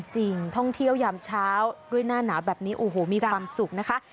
ท่องเที่ยวยามเช้าด้วยหน้าหนาวแบบนี้โอ้โหมีความสุขนะคะ